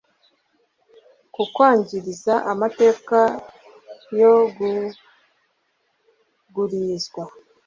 kukwangiriza amateka yo kugurizwa